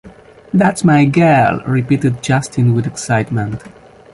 That’s my girl! Repeated Justin with excitement.